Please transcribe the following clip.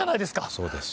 そうです